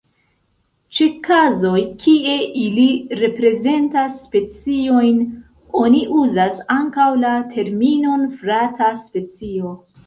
Ĉe kazoj kie ili reprezentas speciojn, oni uzas ankaŭ la terminon frata specio.